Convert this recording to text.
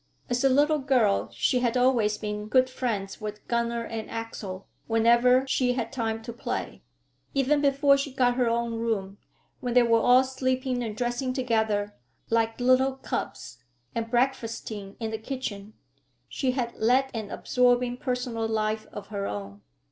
As a little girl she had always been good friends with Gunner and Axel, whenever she had time to play. Even before she got her own room, when they were all sleeping and dressing together, like little cubs, and breakfasting in the kitchen, she had led an absorbing personal life of her own.